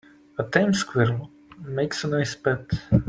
A tame squirrel makes a nice pet.